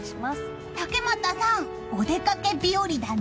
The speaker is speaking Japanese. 竹俣さん、お出かけ日和だね。